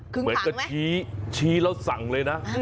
เหมือนกับชี้ชี้แล้วสั่งเลยนะ